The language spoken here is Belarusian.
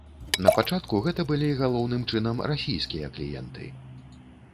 Напачатку гэта былі галоўным чынам расійскія кліенты.